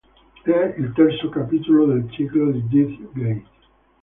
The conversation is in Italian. È il terzo capitolo del ciclo di Death Gate.